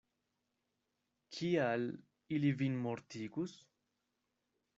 Kial, ili vin mortigus?